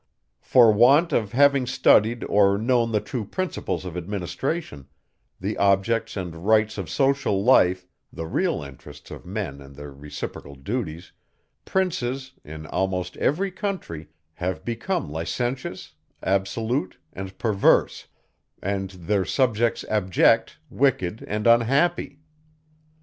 For want of having studied or known the true principles of administration, the objects and rights of social life, the real interests of men and their reciprocal duties, princes, in almost every country, have become licentious, absolute, and perverse; and their subjects abject, wicked, and unhappy.